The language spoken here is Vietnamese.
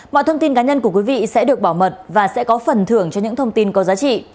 mọi thông tin cá nhân của quý vị sẽ được bảo mật và sẽ có phần thưởng cho những thông tin có giá trị